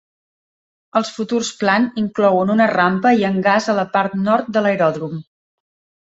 Els futurs plan inclouen una rampa i hangars a la part nord de l'aeròdrom.